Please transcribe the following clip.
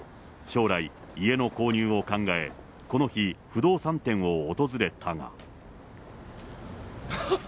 将来、家の購入を考え、この日、不動産店を訪れたが。